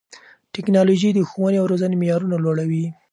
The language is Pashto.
ټیکنالوژي د ښوونې او روزنې معیارونه لوړوي.